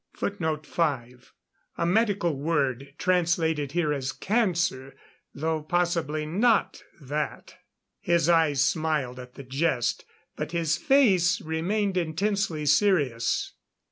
[Footnote 5: A medical word, translated here as cancer, though possibly not that.] His eyes smiled at the jest, but his face remained intensely serious.